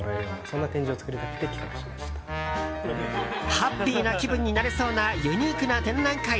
ハッピーな気分になれそうなユニークな展覧会。